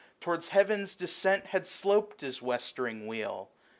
21 Toward heaven's descent had sloped his westering wheel.